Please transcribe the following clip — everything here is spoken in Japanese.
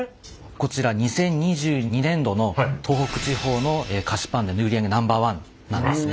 こちら２０２２年度の東北地方の菓子パンでの売り上げＮｏ．１なんですね。